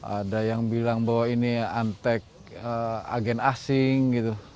ada yang bilang bahwa ini antek agen asing gitu